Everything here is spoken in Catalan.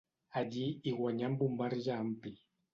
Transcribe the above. Allí hi guanyà amb un marge ampli.